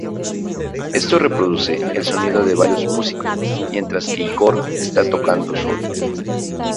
Esto reproduce el sonido de varios músicos, mientras que Ígor está tocando solo.